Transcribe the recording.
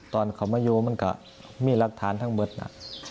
ตอนเขามาอยู่มันก็มีหลักฐานทั้งหมดนะ